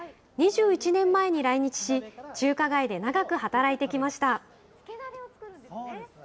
２１年前に来日し、中華街で長く働いてきました。